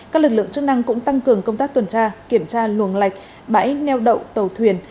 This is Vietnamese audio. các lực lượng chức năng cũng tăng cường công tác tuần tra kiểm tra luồng lạch bãi neo đậu tàu thuyền